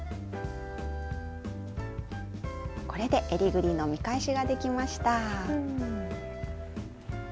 これでえりぐりの見返しができました。